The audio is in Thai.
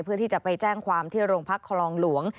เพื่อที่จะไปแจ้งความที่โรงพักคลองหลวง